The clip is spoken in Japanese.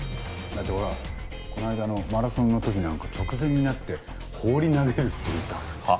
だってほらこの間のマラソンの時なんか直前になって放り投げるっていうさ。は？